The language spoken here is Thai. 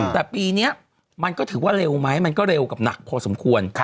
แต่ปีนี้มันก็ถือว่าเร็วไหมมันก็เร็วกับหนักพอสมควร